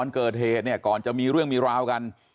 เกิดเหตุเนี่ยก่อนจะมีเรื่องมีราวกัน